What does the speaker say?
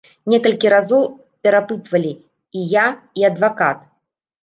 Некалькі разоў перапытвалі і я, і адвакат.